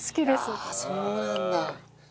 ああそうなんだ。